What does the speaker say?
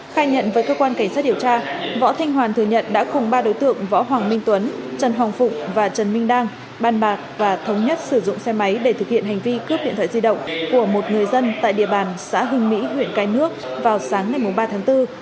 khai nhận với cơ quan cảnh sát điều tra võ thanh hoàn thừa nhận đã cùng ba đối tượng võ hoàng minh tuấn trần hồng phụng và trần minh đang bàn bạc và thống nhất sử dụng xe máy để thực hiện hành vi cướp điện thoại di động của một người dân tại địa bàn xã hưng mỹ huyện cái nước vào sáng ngày ba tháng bốn